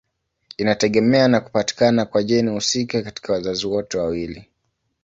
Inategemea na kupatikana kwa jeni husika katika wazazi wote wawili.